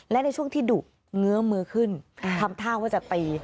และในช่วงที่ดุเงื้อมือขึ้นทำท่าว่าจะตี